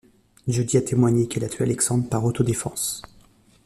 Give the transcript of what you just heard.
Jodi a témoigné qu'elle a tué Alexandre par auto-défense.